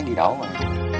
đi đổ rồi